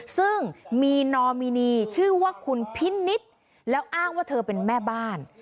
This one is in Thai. ซึ่งมีนอมินีชื่อว่าคุณพินิษฐ์แล้วอ้างว่าเธอเป็นแม่บ้าน